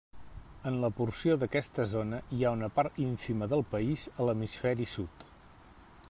En la porció d'aquesta zona hi ha una part ínfima del país a l'hemisferi sud.